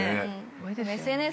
ＳＮＳ。